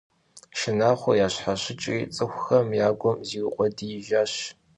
Шынагъуэр ящхьэщыкӀри, цӀыхухэм я гум зиукъуэдиижащ.